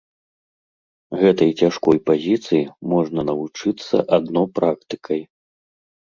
Гэтай цяжкой пазіцыі можна навучыцца адно практыкай.